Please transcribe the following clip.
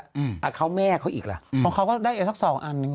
อาคาวแม่เขาอีกละเพราะเขาก็ได้สัก๒อัน